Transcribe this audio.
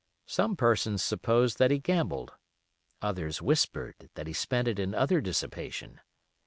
Some persons supposed that he gambled; others whispered that he spent it in other dissipation.